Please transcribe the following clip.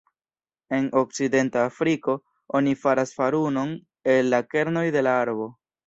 En okcidenta Afriko oni faras farunon el la kernoj de la arbo.